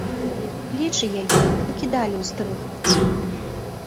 Плечы яе пакідалі ўздрыгваць.